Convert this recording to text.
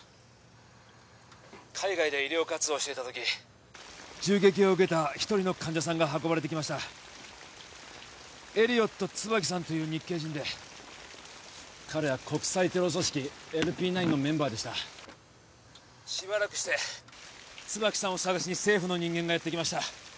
海外で医療活動をしていた時銃撃を受けた一人の患者さんが運ばれてきましたエリオット椿さんという日系人で彼は国際テロ組織ＬＰ９のメンバーでしたしばらくして椿さんを捜しに政府の人間がやってきました